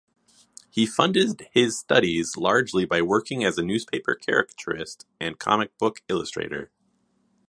He funded his studies largely by working as a newspaper caricaturist and comic-book illustrator.